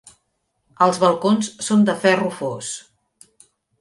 Els balcons són de ferro fos.